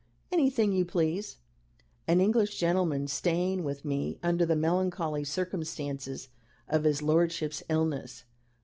Anything you please. An English gentleman staying with me under the melancholy circumstances of his lordship's illness.